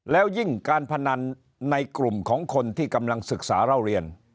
แล้วยิ่งการพนันในกลุ่มของคนที่กำลังศึกษาเล่าเรียน